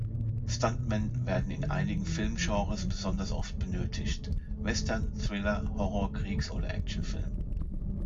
Stuntmen werden in einigen Film-Genres besonders oft benötigt: Western, Thriller, Horror-, Kriegs- oder Actionfilm.